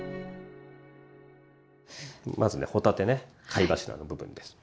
まずね帆立てね貝柱の部分です。